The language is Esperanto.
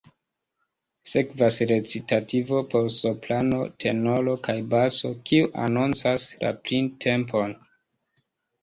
Sekvas recitativo por soprano, tenoro kaj baso, kiu anoncas la printempon.